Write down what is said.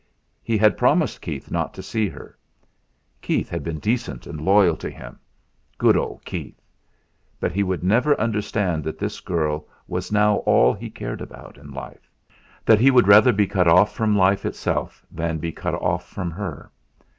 He had promised Keith not to see her. Keith had been decent and loyal to him good old Keith! But he would never understand that this girl was now all he cared about in life; that he would rather be cut off from life itself than be cut off from her.